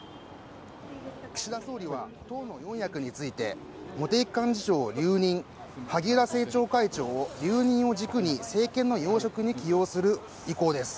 岸田総理は党の４役について茂木幹事長を留任萩生田政調会長留任を軸に政権の要職に起用する意向です